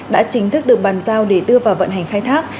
đã chính thức được bàn giao để đưa vào vận hành khai thác